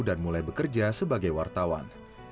dan mulai bekerja sebagai wartawan